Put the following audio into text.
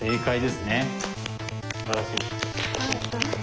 すばらしい。